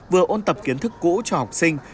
vừa ôn tập kiến thức cũ cho học sinh